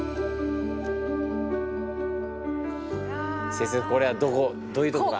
先生これはどこどういうとこが？